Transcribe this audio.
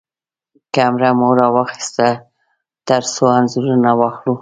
کېمره مو راواخيستله ترڅو انځورونه واخلو.